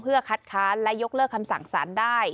เพื่อคัดค้านและยกเลิกคำสั่งสารได้